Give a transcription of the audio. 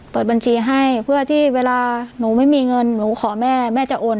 เปิดบัญชีให้เพื่อที่เวลาหนูไม่มีเงินหนูขอแม่แม่จะโอน